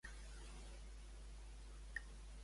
Com se sentia des d'aquell moment el Costa?